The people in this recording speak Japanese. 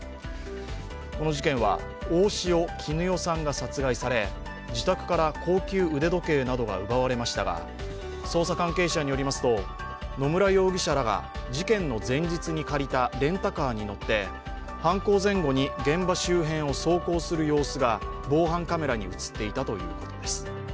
この事件は、大塩衣与さんが殺害され自宅から高級腕時計などが奪われましたが、捜査関係者によりますと野村容疑者らが事件の前日に借りたレンタカーに乗って犯行前後に現場周辺を走行する様子が防犯カメラに映っていたということです。